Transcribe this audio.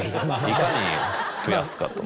いかに増やすかと。